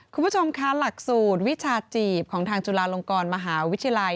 คุณผู้ชมคะหลักสูตรวิชาจีบของทางจุฬาลงกรมหาวิทยาลัย